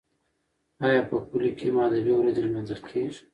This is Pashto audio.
ایا په کلو کې هم ادبي ورځې لمانځل کیږي؟